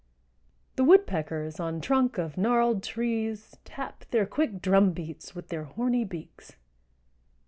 _) The woodpeckers on trunk of gnarled trees Tap their quick drum beats with their horny beaks.